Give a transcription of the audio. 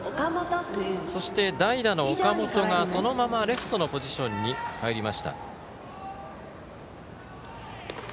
そして、代打の岡元がそのままレフトのポジションに入りました。